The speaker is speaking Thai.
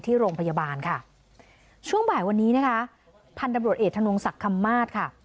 ที่โรงพยาบาลค่ะช่วงบ่ายวันนี้นะคะพันธุ์ตำรวจเอกธนงศักดิ์คำมาศค่ะ